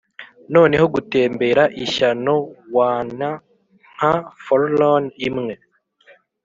noneho gutembera, ishyano wan, nka forlorn imwe,